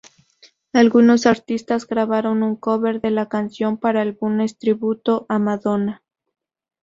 Algunos artistas grabaron un "cover" de la canción para álbumes tributo a Madonna.